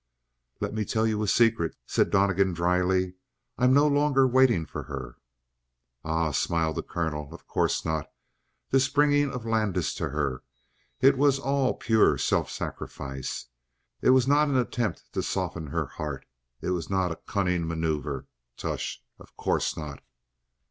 "Let me tell you a secret," said Donnegan dryly. "I am no longer waiting for her!" "Ah?" smiled the colonel. "Of course not. This bringing of Landis to her it was all pure self sacrifice. It was not an attempt to soften her heart. It was not a cunning maneuver. Tush! Of course not!"